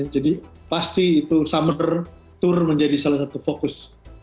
jadi pasti itu summer tour menjadi salah satu fokus